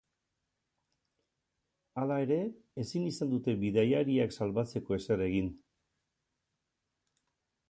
Hala ere, ezin izan dute bidaiariak salbatzeko ezer egin.